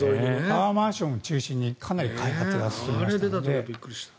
タワーマンションを中心にかなり開発が進みましたので。